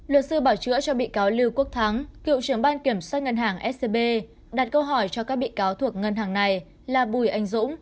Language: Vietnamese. luật sư bảo chữa cho bị cáo lưu quốc thắng cựu trưởng ban kiểm soát ngân hàng scb đặt câu hỏi cho các bị cáo thuộc ngân hàng này là bùi anh dũng